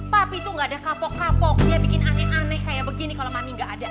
tapi itu nggak ada kapok kapoknya bikin aneh aneh kayak begini kalau mandi nggak ada